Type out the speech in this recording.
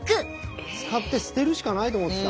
使って捨てるしかないと思ってた。